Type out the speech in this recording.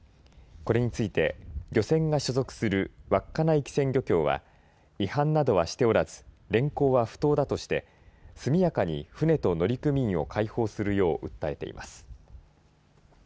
これについて漁船が所属する稚内機船漁協は違反などはしておらず連行は不当だとして速やかに船と乗組員を解放するよう訴えています。